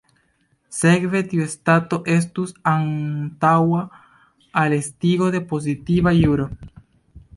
Sekve, tiu stato estus antaŭa al estigo de pozitiva juro.